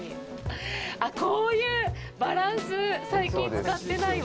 こういうバランス、最近使ってないわ。